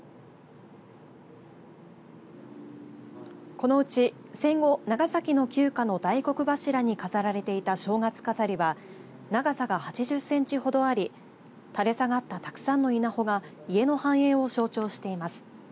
このうち戦後、長崎の旧家の大黒柱に飾られていた正月飾りは長さが８０センチほどありたれさがったたくさんの稲穂が家の繁栄を象徴しています。